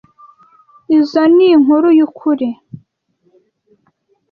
Izoi ni inkuru yukuri.